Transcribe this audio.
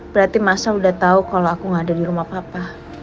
berarti mas al udah tau kalo aku gaada dirumah papa